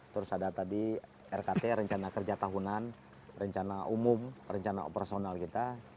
terus ada tadi rkt rencana kerja tahunan rencana umum rencana operasional kita